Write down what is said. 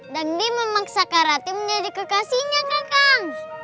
jangdi memaksa kak rati menjadi kekasihnya kakang